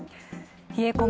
冷え込む